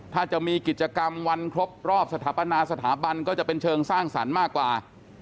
ถ้าจะมีกิจกรรมวันครบรอบสถาปนาสถาบันก็จะเป็นเชิงสร้างสรรค์มากกว่า